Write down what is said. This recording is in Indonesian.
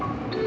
lo tau gak